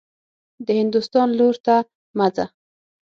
د هندوستان لور ته مه ځه.